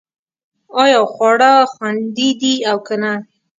ایا خواړه خوندي دي او که نه